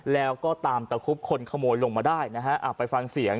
แล้วก็ตามตะคุบคนขโมยลงมาได้นะฮะไปฟังเสียง